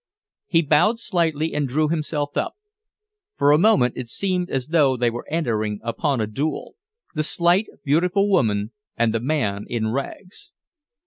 He bowed slightly and drew himself up. For a moment it seemed as though they were entering upon a duel the slight, beautiful woman and the man in rags.